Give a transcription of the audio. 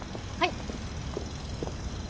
はい。